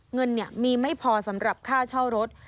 เงินมีไม่พอสำหรับค่าเช่ารถ